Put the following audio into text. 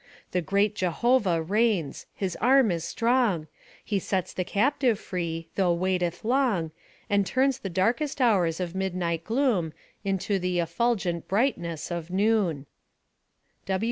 The great Jehovah reigns ; His arm is strong, He sets the captive free, though waiteth long, And turns the darkest hours of midnight gloom, Into the effulgent brightness of noon.